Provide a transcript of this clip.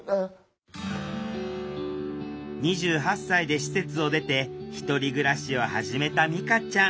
２８歳で施設を出て１人暮らしを始めたみかちゃん。